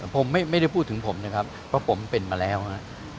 ผมไม่ได้พูดถึงผมนะครับเพราะผมเป็นมาแล้วฮะ